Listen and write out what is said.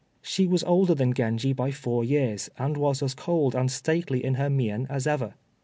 She was older than Genji by four years, and was as cold and stately in her mien as ever.